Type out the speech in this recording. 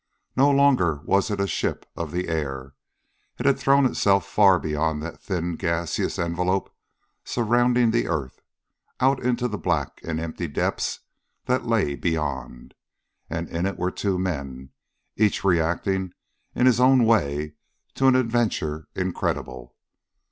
No longer was it a ship of the air; it had thrown itself far beyond that thin gaseous envelope surrounding the earth; out into the black and empty depths that lay beyond. And in it were two men, each reacting in his own way to an adventure incredible.